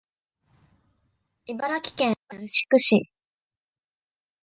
茨城県牛久市